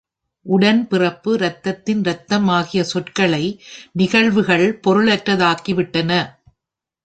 உடன்பிறப்பு, இரத்தத்தின் இரத்தம் ஆகிய சொற்களை நிகழ்வுகள் பொருளற்றதாக்கி விட்டன.